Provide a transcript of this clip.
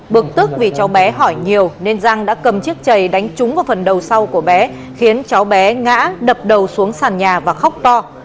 bực tức vì cháu bé hỏi nhiều nên giang đã cầm chiếc chầy đánh trúng vào phần đầu sau của bé khiến cháu bé ngã đập đầu xuống sàn nhà và khóc to